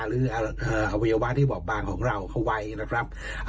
หรืออวัยวะที่บอบบางของเราเข้าไว้นะครับ